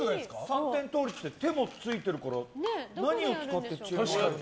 三点倒立って手もついてるから何を使って知恵の輪を。